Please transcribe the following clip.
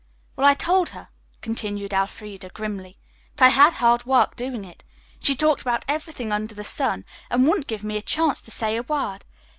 Well, I told her," continued Elfreda grimly, "but I had hard work doing it. She talked about everything under the sun and wouldn't give me a chance to say a word.